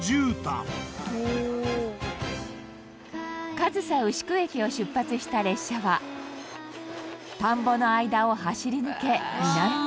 上総牛久駅を出発した列車は田んぼの間を走り抜け南へ。